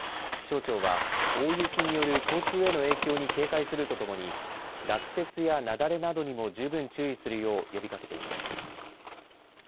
気象庁は、大雪による交通への影響に警戒するとともに、落雪や雪崩などにも十分注意するよう呼びかけています。